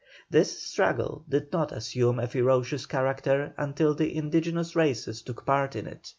This struggle did not assume a ferocious character until the indigenous races took part in it.